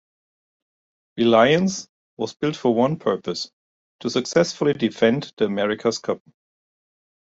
"Reliance" was built for one purpose: to successfully defend the America's Cup.